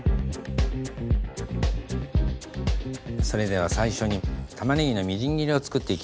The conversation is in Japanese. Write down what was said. それでは最初に玉ねぎのみじん切りを作っていきます。